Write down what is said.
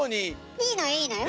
いいのいいのよ。